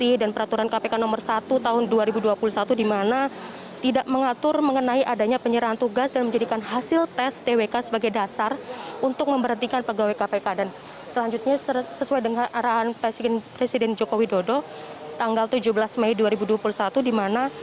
informasi yang kami dapatkan bahwa kebangsaan ini tidak berhenti dari masa jabatannya